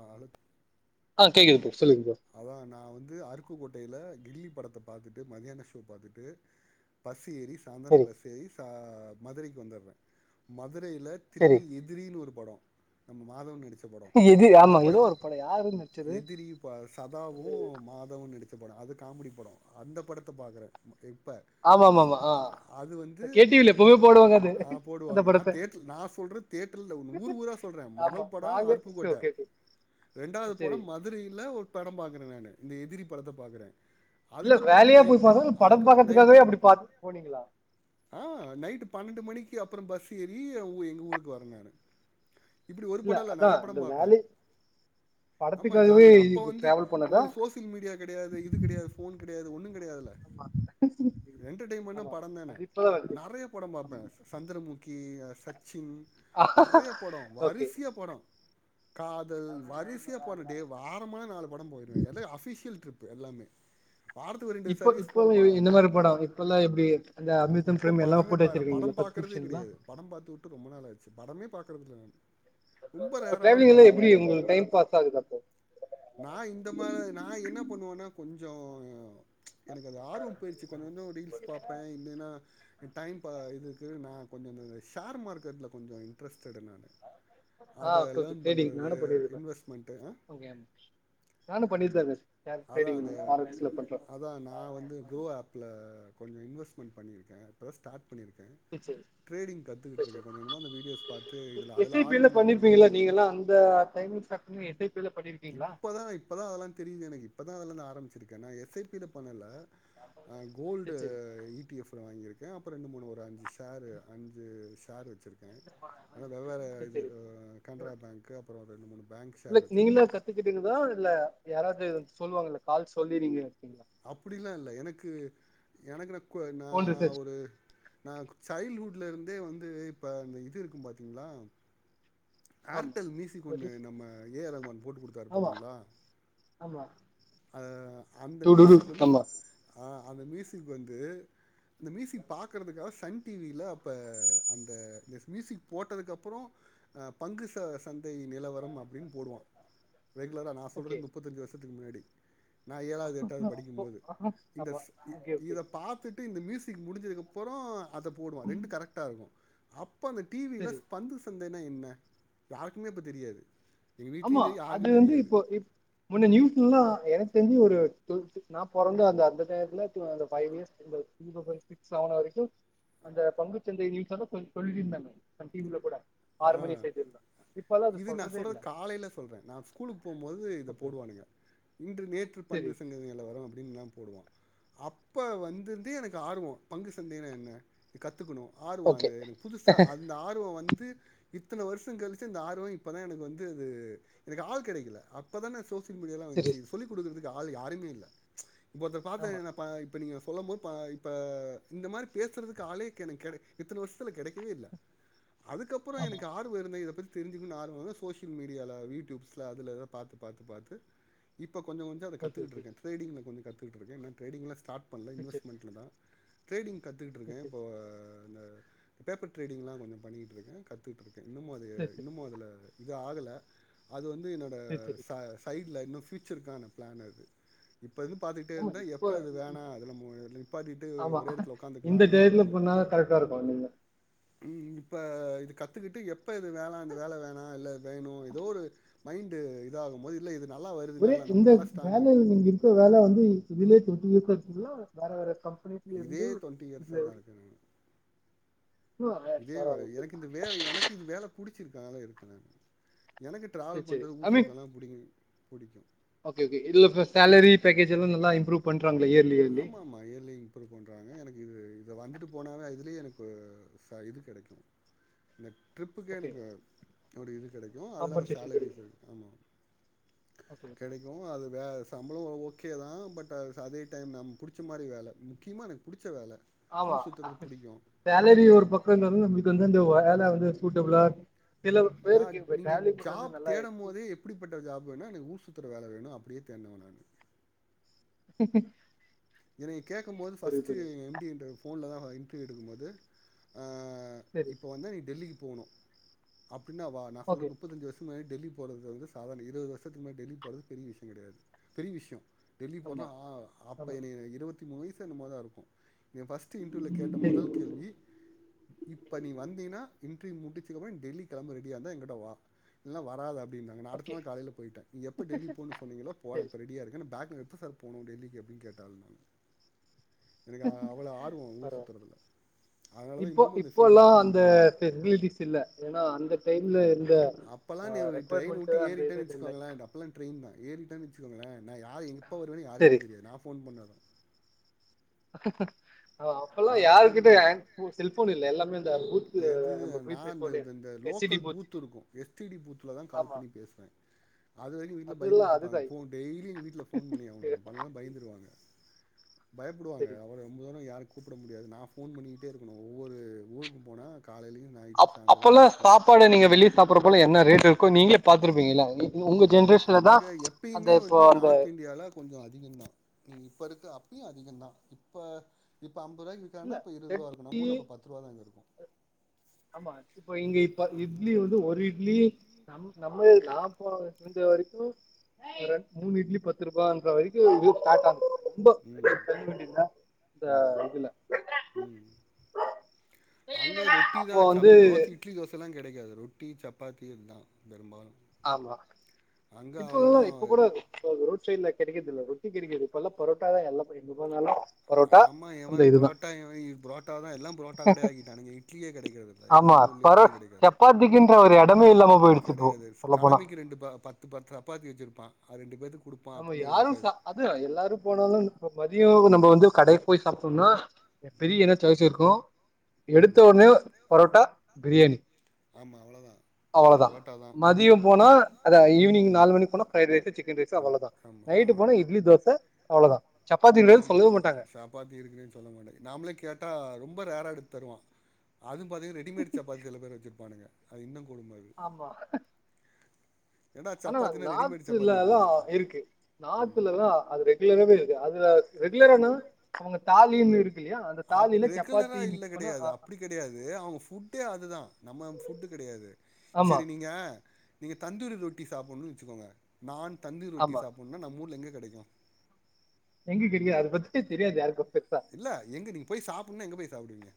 அ அழுத் ஆ கேக்குது ப்ரோ சொல்லுங்க அதான் நான் வந்து அருப்பு கோட்ட வரையில கில்லி படத்த பாத்துட்டு மதியான ஷோ பாத்துட்டு பஸ் ஏறி ப்ரோ சாயந்திரம் பஸ் ஏறி சா ஹ் மதுரைக்கு வந்துடுறேன் மதுர மதுரையில சரி திரும்பி எதிரின்னு ஒரு படம் நம்ம மாதவன் நடிச்ச படம் எது அந்த ஆமா ஏதோ படத்து ஒரு படோ யாரு நடிச்சது எதிரி சதாவு மாதவன் நடிச் அது காமெடி படம் அந்த படத்த பாக்கற இப்ப ஆமா ஆமா ஆமா ஆ அது வந்து கே டி வி ல எப்பவுமே போடுவாங்க அது ஆஹ் அந்த போடுவாங்க நா படத்த தேட்டர் நா சொல்ற தேட்டர்ல ஊர் ஊரா சொல்றே ஆமா முதல் படம் நாங்க சரி அருப்புக்கோட்ட ஓகே ஓகே ரெண்டாவது சரி படம் மதுரையில ஒரு படம் பாக்குறே நானு இந்த எதி படத்த பாக்குறே இல்ல வேலையா போய் பாங்க இல்ல படம் அதுக்கப்புறம் நை பாக்கறதுக்காகவே அப்படி பா போனீங்களா ரெண்டு மணிக்கு அப்புறம் பஸ் ஏறி எங்க ஊருக்கு வரே நானு இப்டி ஒரு படம் இல்ல அதா நெறைய இந்த படம் பாப்பே வேலை ஆமா படத்துக்காகவே ஜாலியா அப்ப வந்து டிராவல் பண்ணதா உங்களுக்கு சோசியல் மீடியா கிடையாது இது கிடையாது போன் கிடையா து ஒன்னு கெடயாது ஆமா என்டர்டைமெண்ட ஆமா படம் தானே அது இப்பதா வருது நறைய படம் பாப்பே சந்திரமு கி சத் ஆமா நெறைய படம் ஓகே வரிசியா படம் காதல் வரிசையா போன டே வாரமான நாலு படம் போயிடுவே எல்ல அஃபிஷியல் ட்ரிப் போ எல்லாமே வாரத்துக்கு ஒரு ரெண்டு இப்போ சர்வீஸ் இப்ப போகிறோமா என்ன மாரி படம் இப்ப எல்லா எப்டி அந்த அமிர்தம் இப்போ ப்ரேம் எல்லாமே படமே போட்டு பா நான் வச்சிருக்கீங்களா படம் பார்க்குறதே சப்ஸ்கிரிப்ஷன்லா கிடையாது படம் பார்த்து விட்டு ரொம்ப நாள் ஆச்சு படமே பாக்குறது இல்ல நானு ரொம்ப இப்ப ரேராதா ப டிராவலிங்ல எப்டி உங்களுக்கு டைம் பாஸ் ஆகுது அப்போ நா இந்த மாதிரி நா என்ன பண்ணுவேனா கொஞ்சோ எனக்கு அது ஆர்வம் போய்டுச்சு கொஞ்ச கொஞ்சம் ரீல்ஸ் பாப்பே இல்லைன்னா டைம் பா இதுக்கு நா கொஞ்சோ அந்த ஷேர் மார்க்கெட்டில் கொஞ்சோ இன்ட்ரெஸ்டடு நானு ஆஹ் ட்ரேடிங் நானு பண்ணிருக்கே இன்வெஸ்ட்மெண்ட்டு ஓகே நானு பன்னிட்டுத்தா இருக் [unintelligible] அதா அந்த அதா நா வந்து கோ ஆப்ல கொஞ்ச இன்வெஸ்மென்ட் பண்ணிருக்கே இப்பதா ஸ்டாட் சேரி சேரி ச இருக்கேன் கொஞ்சம் கொஞ்சமாக அந்த வீடியோஸ் பார்த்து இதில் எஸ் அதில் ஐ பி-லா ஆர்வமாக இருக்கேன் பண்ணிருப்பீங்கள நீங்கலா அந்த டைம் ச [unintelligible] இப்பதா இப்பதா அதெல்லா தெரியுது எனக்கு இப்பதா அதெல்லா நா ஆரம்பிச்சிருக்கே நா எஸ் ஐ பி-ல பண்ணல கோல்டு சேர் சேரி ஈ டி எஃப்-ல வாங்கிருக்கே ஏ அப்போ ரெண்டு மூணு ஒரு அஞ்சு ஷேரு அஞ்சு ஷேரு ஆனால் வெவ்வேறு சேர் இது சேரி கனரா பேங்கு அப்புறம் ரெண்டு மூணு பேங்க் ஷேர் வச்சுருக்கேன் கத்துக்கிட்டீங்கலா இல்ல யாராவது சொல்லுவாங்கல்ல கால் சொல்லி நீங்க எடுத்தீங்களா அப்டிலெலாம் இல்ல எனக்கு எனக்கு ந இப்ப ஓன் நான் ரிசர்ச் ஒரு நான் சைல்ட்ஹுட்ல இருந்தே வந்து இப்ப இந்த இது இருக்கும் பாத்தீங்களா ஆமா ஏர்டெல் மியூசிக் ஒண்ணு நம்ம ஏ ஆர் ரகுமான் போட்டு கொடுத்தாரு ஆமா பாத்தீங்களா ஆமா அஹ அந்த டுடுடு மீயூசிக் வந்து ஆமா ஹ அந்த மீயூசிக் வந்து அந்த மீயூசிக் பார்க்கறதுக்காக சன் டிவில அப்போ அந்த இந்த பங்கு சொல்லு சந்தை நிலவரம் அப்படின்னு போடுவான் ரெகுலரா நான் ஓகே சொல்றது முப்பத்தஞ்சு வருஷ த்துக்கு முன்னாடி [inaudible] நான் ஏழாவது எட்டாவது படிக்கும் அப்போ போது ஆஹா, இந்த ஆமா ஓகே இத ஓகே பார்த்துட்டு இந்த மியூசிக் முடிஞ்சதுக்கப்புறம் அப்புறம் அத போடுவான் ரெண்டு கரெக்டா இருக்கும் அப் அப்ப டிவில சரி பந்து சந்த [unintelligible] என்ன யாருக்குமே இப்ப தெரியாது எங்க ஆமா வீட்லயு தெரி அது யாருக்கு வந்து தெரியாது இப்போ இப் முன்ன நியூஸ்லெல்லாம் எனக் எனக்கு தெரிஞ்சு ஒரு டூவல்த் நா பொறந்த அந்த நேரத்துல பைவ் இயர்ஸ் இந்த சிக்ஸ் செவென் வரைக்கும் அந்த பங்கு சந்தை லீக்ஸ் வந்து சொல்லிருந்தாங்க சன்டிவி ல கூட ஆறு ஆ மணி செய்தில இப்பெல்லாம் அது சொல்றதே இல்ல காலேல சொல்றேன் நான் ஸ்கூலுக்கு போகும்போது இத ஓகே போடுவானுங்க இன்று நேற்று பந்து சரி சந்தை நிலவரம் போடுவான் அப்போ வந்திருந்தே எனக்கு ஆர்வம் பங்கு சந்தையினா என்ன கத்துகணும் ஆர்வம் ஓகே அந்த புதுசா அந்த ஆர்வம் வந்து இத்தன வருஷம் கழிச்ச இந்த ஆர்வம் இப்பதான் எனக்கு வந்து அது எனக்கு ஆள் கிடைக்கல அப்பதான் நான் சொட்டு மீடியல்ல சரி வச்சு சொல்லி கொடுக்கறது ஆள் யாருமே இல்லை ஒரத்தர் ஆமா பாத்து இப்ப நீங்க சொல்லும்போது இப்ப இந்த மாதிரி பேசுறதுக்கு ஆளே எனக்கு க இத்தனை வருஷத்துல கிடைக்கவே இல்லை அதுக்கப்புறம் ஆமா எனக்கு ஆறு பேருல இத பத்தி தெரிஞ்சிக்கணும் ஆர்வம் சோசியல் மீடியால யூடியூப்ல அதுல பார்த்து பார்த்து பார்த்து இப்ப கொஞ்சம் கொஞ்சம் அதை ஓகே ஓகே கத்துக்கிட்டு இருக்கே டிரேடிங்ல கொஞ்சம் கத்து இருக்கு நான் ட்ரேடிங் கிளாஸ் ஸார்ட் பண்ணல சரி சரி இன்வெஸ்ட்மெண்ட்டில் தான் ட்ரேடிங் சரி கற்றுக்கிட்டுருக்கே சரி இப்போ இந்த பேப்பர் ட்ரேடிங்லா கொஞ்சோ பண்ணிட்டு இருக்கன் கத்துட்டு இருக் இன்னமோ அது சரி இன்னமும் அதுல இது ஆகல அது வந்து என்னோட சரி சரி சரி ச சைட்ல இன்னு பூச்சருக்கான பிளான் அது இப்ப இருந்து பாத்துட்டே ஆமா இருந்த இப்ப எப்ப இது வேணா அதுல நிப்பாத்திட்டு ஆமா ஒரே இடத்துல உக்காந்துக்கலா இந்த டயத்துல பண்ணா கரெக்டா இருக்கு நீங்க உ இப்ப இது கத்துக்கிட்டு எப்ப இது வேணாம் இந்த வேலை வேணாம் இல்ல வேணு ஏதோ ஒரு மைண்டு இதாகு போது இல்ல இது நல்லா வருது ஒரே நல்லா நம்ம இந்த நல்லா ஸ்ட்ராங் வேலை ஆயிட்டோம். நீங்க இருக்கிற வேலை வந்து ரிலேட் இ இருக்க வேற வேறக்கா இதே டுவெண்ட்டி இயர்ஸா தா இருக்கேன் நா இன்னும் வேற இதே வேற வேல இருக்கு எனக்கு இந்த வேலை எனக்கு இந்த வேலை புடிச்சிருக்கு அதுனால இருக்கனா எனக்கு சரி டிராவல் சரி பண்றது ஐ மீன் ஊர்சுத்தெல்லா புடிகுங்க பிடிக்கும் ஓகே ஓ இதுல சேலரி பேக்கேஜ் எல்லா நல்லா இம்ப்ரூவ் பண்ணி ஆமா ஆமா ஏல்ல இ புரு பண்றாங்க எனக்கு இது இத வந்துட்டு போனாலே இதுலயே எனக்கு ச இது கிடைக்கு ட்ரிப்புக்கே ஓகே எனக்கு அப்டி இரு கிடைக்கு அது இல்லாம காம்பன்சேஷன் சேலரிஸ் கிடைக்கும் இருக்கு ஆமா ஓகே கிடைக்கு அது வே சம்பளம் ஓகே தா பட் அதே டைம் நம் புடிச்ச மாரி வேல முக்கியமா எனக்கு புடிச் ஆமா சேலரி ஒரு பக்க இருந்தாலு நம்மளுக்கு வந்து அந்த வேல வந்து சூட்டபிளா சில நா பேருக்கு இப்போ நீங்க ட்ராவலிங் பண்றது ஜாப் நல்லா தேடம் இருக்கு போதே எப்படிப்பட்ட ஜாப்ன்னா எனக்கு ஊர்சுத் த்தர வேல வேணு அப்டியே தேட்னவா நானு எனய கேக்கும் போது புரியுது பஸ்ட்டு புரியுது எம் டி என்ட போன்ல தான் இன்ர்வியூ எடுக்கும்போது ஆ ஆ சரி இப்போ வந்து நீ டெல்லிக்கு போகணும் அப் பின்னேவா நா ஓகே சொல்லறது முப்பத்தஞ்சு வருஷம்மாயி டெல்லி போறது வந்து சாதாரண இருபது வருஷத்துக்கு மே டெல்லி போறது பெரிய விஷயம் கிடையாது பெரிய விஷயம் டெல்லி போனா ஆமா ஆ அப் ஆமா இருபத்தி மூணு வயசு என்னமோ இருக்கும் என் ஃபஸ்ட் இன்டர்வியூல கேட்ட சரி முதல் கேள்வி இப்ப நீ வந்தீன்னா இன்டிர்வியூ முடிச்சுதக்கு அப்புறம் டெல்லி கிளம்ப ரெடியாக இருந்தா எங்கிட்ட வா இல்ல வராதே இருந்தாங்க நா அடுத்த ஓகே நாள் காலையில போயிட்டேன் எப்ப டெல்லி போன்னு சொன்னீங்களோ போறேன் சரி இப்ப ரெடியா இருக்கேன் பேக் எடுத்து எப்ப சார் போகனும் டெல்லிக்கு அப்டின்னு கேட்டேன் தால்மால் [unintelligible] அதனால தான் இப்போ இன்னமும் அந்த இப்போ ஃபீல்ட்ல எல்லாம் இருக்கேன். அந்த பெசிலிட்டிஸ் இல்லே ஏன்னா அந்த அந்த டைம்ல இரு அப்பெல்லாம் நீ ட்ரெயின் உட்டு ஏறிட்டேன் இது இல்ல வச்சுக்கோங்கலே அப்பெல்லாம் ட்ரெயின் தான் ஏறிட்டன் வச்சு வச்சுக்கோங்கலே ந யாரையும் எப்ப வருவேனு சரி யாருக்குமே தெரியாது நான் ஃபோன் பண்ணதா ஆஹ் அப்பெல்லாம் நா யார் ஃபோன் கிட்ட பண்ண யா செல்போன் இல்லே எல்லாமே இந்த பூத் எது நம்ம போய் நான் இந்த பேசுவோலே இந்த எஸ் இ டி லோக்கல் பூத் இருக்கு எஸ்டிடி பூத்துலதான் கால் ஆமா பண்ணி பேசுவேன் அது வரைக்கும் வீட்டுல அதுல்லா பயந்துகிட்டு அதுதா இருப்பாங்க ஃபோன் டெய்லி எங்க வீட்டுல ஃபோன் பண்ணி ஆகணும் நா பண்லேனா பயந்துருவாங்க பயப்படுவாங்க சரி அவ்ளோ ரொம்பதூரம் யாருக்கு கூப்ட முடியாது நான் ஃபோன் பண்ணிட்டே இருக்கணும் ஒவ்வொரு ஊருக்கும் போனா காலையிலயு நைட்டு அப் சாயந்தரோ அப்பல்லாம் ஃபோன் சாப்பாடு நீங்க வெளியே சாப்புறப்பலாம் என்ன ரேட் இருக்கு நீங்களே பாத்துருப்பீங்களா அங்க எப்பயுமே வந்து அந்த நார்த் இந்தியால கொஞ்சம் அதிகம் தான் நீ இப்ப இருக்க அப் அதிகம் தான் இப்ப இப் இப்ப ஐம்பது ரூபாயக்கு வித் இல்ல தாங்கன்னா அப்போ இருபது ரூபா இருக்கும் நம்ம தேர்ட்டி ஊர்ல அப்ப பத்து ரூபா தான் இருக்கும் ஆமா இப்ப இங்க இப்ப இட்லி வந்து ஒரு இட்லி நம் நம்ம நாம இருந்த வரைக்கும் ரெண்டு மூணு இட்லி பத்து ரூபா வரைக்கும் இதுவும் ஸ்டார்ட் ஆகும் உ உ இந்த இதுல உம் அங்க ரொட்டி அப்போ தான் வந்து சாப்ப தோசை இட்லி தோசை எல்லாம் கிடையாது இங்க ரொட்டி சப்பாத்தி இதுதான் பெரும்பாலும் ஆமா இப்போ இப்ப கூட ரோட் சைட்ல கிடைக்குறதில்ல ரொட்டி கிடைக்குது இப்பெல்லாம் புரோட்டாதான் எல்லாமே எங்க போனாலும் ஆமா எவன் புரோட்டா இது புரோட்டாதான் எல்லாம் புரோட்டா கடைய ஆகிட்டானுங்க இட்லியே கிடைக்கறது இல்ல எங்க ஆமா நம்மூர்ல பரோ இட்லி கிடைக்காது சப்பாத்திக்குன்ற ஒரு எடமே இல்லாம போயிடுச்சு இப்போ கடையாது சொல்ல போனா கடமைக்கு ரெண்டு பத்து பத்து சப்பாத்தி வச்சிருப்பான் ரெண்டு பேத் நம்ம யாரும் ச அது எல்லாரும் போனாலும் தியோ நம்ம வந்து கடைக்கு போய் சாப்பிட்டோம்னா பெரிய என்ன சாய்ஸ் இருக்கும் எடுத்த ம் ஒடனே பரோட்டா பிரியாணி ஆமா அவ்வளோதான் அவ்ளோதான் பரோட்டா தான் மதியம் போனா அதான் ஈவினிங் நாலு மணிக்கு போனா ஃப்ரைட் ரைஸ் சிக்கன் ரைஸ் ம் அவ்ளோதான் ஆமா நைட் போனா அவ்வளோதான் இட்லி தோசை அவ்ளோதான் ஆமா சாப்பாத்தி இருக்குனேன்னு சொல்ல மாட்டான் நாமளே கேட்டா ரொம்ப ரேரா எடுத்து தருவான் அது பாத்தீங்க ரெடிமேட் சப்பாத்தி சில பேர் வச்சிருப்பானுங்க அது இன்னும் கொடும அது ஆமா ஏன்டா ஆனா சப்பாத்தினா ரெடிமேட் சப்பாத்தி நார்த்துலதான் போடுவோம் இருக்கு நார்த்துலதான் அது ரெகுலராவே இருக்கு அது ரெகுலரான அவங்க தாலினு இருக்கு இல்லையா அந்த அ தாலில ரெகுலரா சப்பாத்தி இல்ல மிக்ஸ் பண்ணா கிடையாது ஆ அப்படி கிடையாது அவங்க ஃபுட் ட்டே அதுதான் நம்ம ஃபுட்டு கிடையாது ஆமா சரி நீங்க நீங்க தந்தூரி ரொட்டி சாப்பிடணும்னு வச்சுக்கோங்க நான் தந்துரிரொட்டி ஆமா சாப்ட்னா நம் ஊர்ல எங்க கிடைக்கும் எங்க கெடையா அது பத்தி தெரியாது யாருக்கும் இல்ல எங்க நீங்க போய் சாப்ட்னா எங்க போய் சாப்டிவிங்க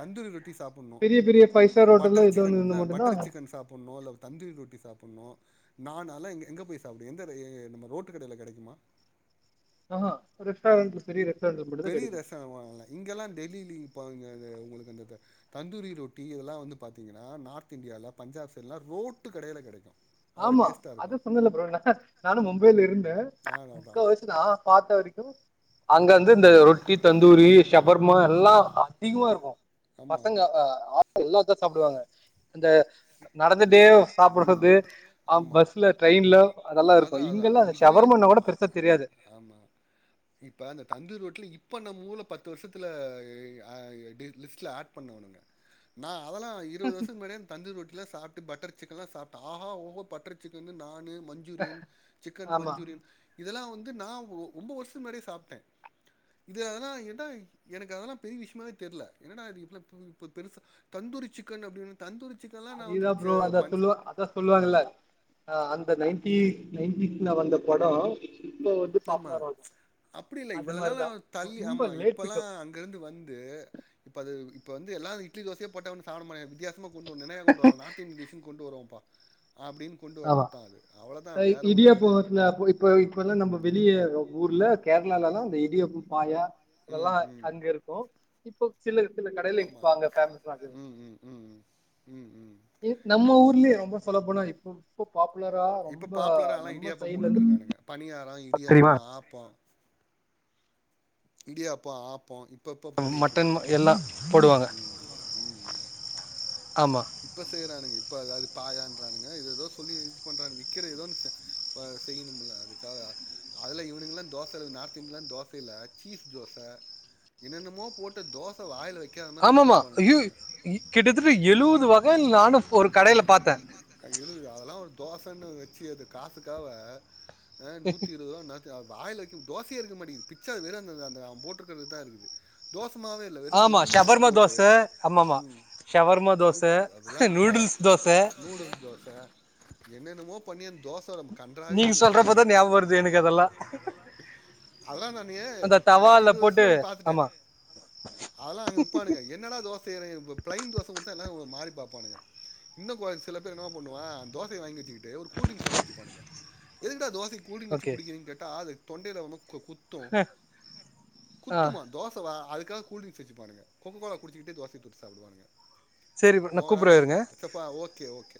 தந்தூரி ரொ க்கி சாப்பிடணு பெரிய பெரிய ஃபைவ் ஸ்டார் ஹோட்டல்ல பட்டர் ஏதோ சிக்கன் ஒன்னு இல்ல இருந்தா மட்டுந்தா பட்டர் சிக்கன் சாப்பிடணு இல்ல தந்தூரி ரொட்டி சாப்பிடணு நான் அதுலா எங்க போய் சாப்பிட எந்த நம்ம ரோட்டு கடையில கிடைக்குமா ஆ ஹ ரெஸ்டாரண்ட் பெரிய ரெஸ் பெரிய ரெசவா இங்கெல்லாம் டெல்லிலே இப்போ உங்களுக்கு அந்த தந்தூரி ரொட்டி இதெல்லாம் வந்து பாத்திங்கன்னா நார்த் இந்தியால பஞ்சாப் சைடலாம் ரோட்டு கடயில கிடைக்கும் ஆமா அதான் சொன்னல ப்ரோ நானும் மும்பைல இருந்தேன் அதா அதா முக்கா வசி நான் பாத்த வரைக்கும் [inaudible] அங்க வந்து இந்த ரொட்டி தந்தூரி சவர்மா எல்லா அதிகமா இருக்கும் ஆமா பசங்க எல்லா சாப்டுவாங்க அந்த நடந்துட் டே சாப்பிடுறது ம் ஆ ஆமா பஸ்ல ட்ரெயின்ல அதெல்லாம் அதா இருக்கும் அதா இங்கெல்லாம் அந்த இது சவர்மான் கூட பெருசா தெரியாது ஆமா. இப்ப அந்த தந்தூரி ரோட்டில இப்ப நம்ம ஊருல பத்து வருஷத்துல லிஸ்ட்ல ஆட் பண்ணங்க நா அதெல்லா இருவது வருஷக்கு முன்னடியே தந்தூர் ரொட்டில சாப் பட்டர் சிக்கன்லா சாப்டே ஆ அ ஓ ஒ பட்டர் சிக்கனு நான்னு மஞ்சூரியன் சிக்கன் ஆமா மஞ்சூரியன் இதெல்லா வந்து நா ரொம்ப வருஷம் முன்னாடியே சாப்ட்டேன் இது அதெல்லாம் எனக்கு அதெல்லா பெரிய விஷயமாவே தெரியல ஏன்டா இது பெருசு தந்தூரி சிக்கன் அப்படின் தந்தூரி சிக்கன்லா நா வந்து அதேதா ப்ரோ அதா பஞ்ச சொல்லுவா அதா சொல்லுவாங்கல்ல அந்த நைன்டி நைன்டிஸ்ல வந்த படம் ஆமா அப்படி இல்ல அது இவளநலா மாரிதா தள்ளி ரொம்ப ஆமா லேட் இப்பல்லா பிக்கப் அங்க இருந்து வந்து இப்ப அது இப்ப வந்து எல்லாரு இட்லி தோசைய போட்ட ஒன்னு சாப்ட மாட்டக வித்தியாசாமா கொண்டு நினையா கொண்டு வார நார்த் இந்தியன் டிஸ்னு கொண்டு வருவ பா ஆமா அவ்வளவுதான். வேற ஒண்ணும் இடியாப்ப கிடையாது. வந்து அப்போ இப்ப இப்பல்லாம் நம்ம வெளிய ஊர்ல கேரளாலல்லா இந்த இடியாப்ப பாயா இதெல்லா ம், ம். அங்க இருக்கும் இப்போ சில சில கடையில ஆமா. இருப்பாங்க ம், ம், ம். ம், ம். [unintelligible] நம்ம ஊர்லயே ரொம்ப சொல்ல போன இப்போ பாப் இப்ப பாப்புலரால்லா இடியாப்பம் போட்டுட்டு இருந்து இருக்கானுங்க பணியாரம் தெரியுமா இடியாப்பம் ஆப்பம் இடியாப்பா ஆப்பம் இப்ப அப்ப பண்ணிட்டு மட்டன் இருக்கானுங்க எல்லாம் போடுவாங்க ம் ம் ஆமா இப்ப செய்யறானுங்க இப்ப அதாது பாயான்னுங்க ஏதோ சொல்லி இது பண்றான விக்கிற ஏதோ செய்யணும்ல அதுக்காக அதுல இவனுங்கல்லாம் தோசல நார்த் இந்தியண்லாம் தோசைல சீஸ் தோச என்னென்னமோ போட்டு தோச வாயில வைக்க ஆமாமா ஐயோ கிட்டத்தட்ட எழுவது வா க நானு ஒரு ஆமா கடைல பாத்தே எழுது அதெல்லா தோசன்னு வச்சு அது காசுக்காவ ஆ நூத்தி இருவது ரூபா என்னத்துக்கு வாயில வெக்க தோசையா இருக்க மாடிக்குது பிச்சா வெறும் அந்த அந்த போட்ருக்கறது தா இருக்குது தோச ஆமா ஷவர்மா தோச ஆமாமா ஷவர்மா தோச அதெல்லாக் கா நூடுல்ஸ் தோச என்னென்னமோ பன்னி தோச கன்றாவி நீங்க பண்ணி சொல்றப்பதான் வச்சிருக்கானுங்க ஞாபகம் வருது எனக்கு அதெல்லாம் அதுலா நானு அந்த பத்து தவால இருவது வர்ஷொ போட்டு முன்னாடியே பாத்துட்டே ஆமா அதுவா விப்பானுங்க என்னடா தோச இது இப்ப ப்ளைன் தோச கொடுத்தா என்ன ஒ மாறி பாப்பானுங்க இன்னு கொ சில பேர் என்ன பண்ணுவ தோச வாங்கி வச்சுக்கிட்டு ஒரு கூல் ட்ரிங்ஸ் வாங்கி வச்சிப்பானுங்க எதுக்கு டா தோச கூல் ட்ரிங்ஸ் வச்சி ஓகே குடிக்கிறீங்கண்ணு கேட்டா அது தொண்டையில வந்து குத்தும் ஆ குத்துமா தோச வ அது க கூல்ட்ரிங்ஸ் வச்சிப்பானுங்க கோ கோ கோலா குடிச்சிட்டே தோசய தொட்டு சாப்டுவாங்க சரி ப்ரோ போங்க டா கூப்புட்றே நா இருங்க பா ஓகே ஓகே